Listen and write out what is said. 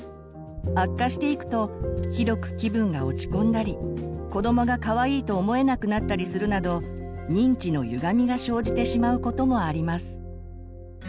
悪化していくとひどく気分が落ち込んだり子どもがかわいいと思えなくなったりするなど認知のゆがみが生じてしまうこともあります。